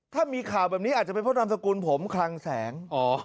ถ้ามีข่าวแบบนี้อาจจะเป็นเพราะนามสกุลผมคลังแสง